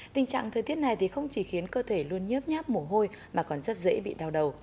tình trạng thời tiết này không chỉ khiến cơ thể luôn nhớp nháp mổ hôi mà còn rất dễ bị đau đầu